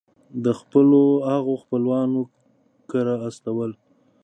د خپلو هغو خپلوانو کره استول.